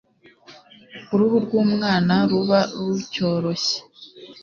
ku ruhu rw'umwana ruba rucyoroshye.